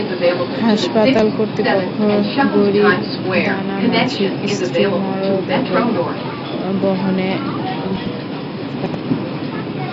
হাসপাতাল কর্তৃপক্ষ গরিব দানা মাঝির স্ত্রীর মরদেহ বহনে অ্যাম্বুলেন্সের ব্যবস্থা করেনি।